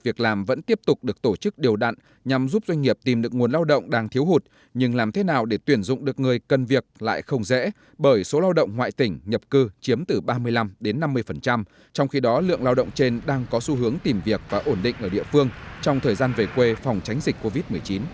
việc làm vẫn tiếp tục được tổ chức điều đặn nhằm giúp doanh nghiệp tìm được nguồn lao động đang thiếu hụt nhưng làm thế nào để tuyển dụng được người cân việc lại không dễ bởi số lao động ngoại tỉnh nhập cư chiếm từ ba mươi năm đến năm mươi trong khi đó lượng lao động trên đang có xu hướng tìm việc và ổn định ở địa phương trong thời gian về quê phòng tránh dịch covid một mươi chín